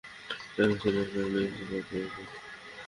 তার কাছে একটি ইলেকট্রনিক্স পার্ট রয়েছে।